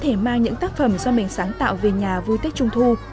các em nhỏ có thể mang những tác phẩm do mình sáng tạo về nhà vui tết trung thu